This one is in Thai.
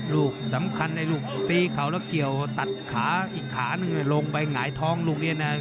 ลูกสำคัญไอ้ลูกตีเขาแล้วเกี่ยวตัดขาอีกขาหนึ่งลงไปหงายท้องลูกนี้นะ